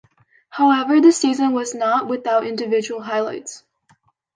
However, the season was not without individual highlights.